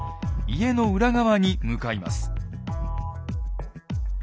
家の裏側に向かいます。